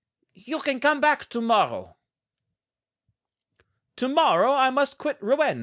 "You can come back to morrow." "To morrow I must quit Rouen."